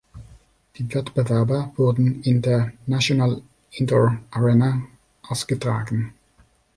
Die Wettbewerbe wurden in der National Indoor Arena ausgetragen.